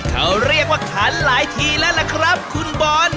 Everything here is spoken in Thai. เขาเรียกว่าขันหลายทีแล้วล่ะครับคุณบอล